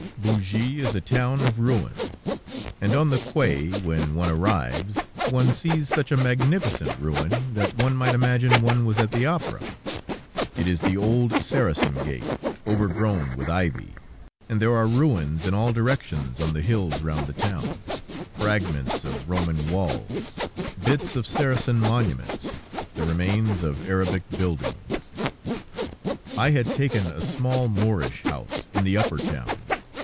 Bougie is a town of ruins, and on the quay, when one arrives, one sees such a magnificent ruin, that one might imagine one was at the opera. It is the old Saracen Gate, overgrown with ivy, and there are ruins in all directions on the hills round the town, fragments of Roman walls, bits of Saracen monuments, the remains of Arabic buildings. I had taken a small, Moorish house, in the upper town.